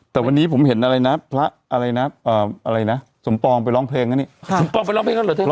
แต่วันนี้ผมเห็นอะไรนะพระอะไรนะเอ่ออะไรนะสมปองไปร้องเพลงแล้วนี่